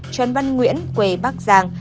trần văn nguyễn quê bắc giang